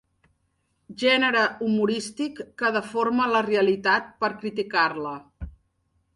Gènere humorístic que deforma la realitat per criticar-la.